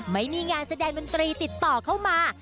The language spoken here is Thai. ไม่มีงานแสดงดนตรีติดต่อเข้ามา